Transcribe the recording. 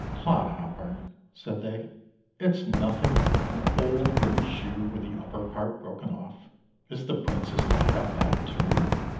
" Clodhopper," said they, " it's nothing but an old wooden shoe with the upper part broken off. Is the princess to have that too?